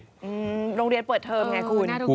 โรงเรียนเปิดเทอมไงคุณ